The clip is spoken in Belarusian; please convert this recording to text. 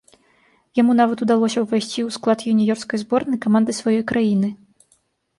Яму нават удалося ўвайсці ў склад юніёрскай зборнай каманды сваёй краіны.